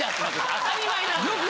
当たり前なんだよ。